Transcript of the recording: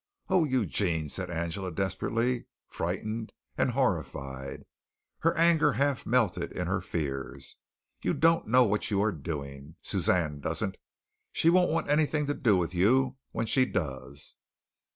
"Oh, Eugene," said Angela desperately, frightened and horrified, her anger half melted in her fears, "you don't know what you are doing! Suzanne doesn't. She won't want anything to do with you when she does.